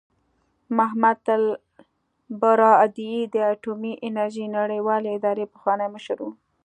محمد البرادعي د اټومي انرژۍ نړیوالې ادارې پخوانی مشر و.